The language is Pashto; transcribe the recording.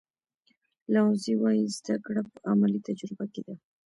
لاوزي وایي زده کړه په عملي تجربه کې ده.